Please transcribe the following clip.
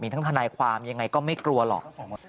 ทั้งทนายความยังไงก็ไม่กลัวหรอก